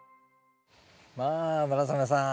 まあ村雨さん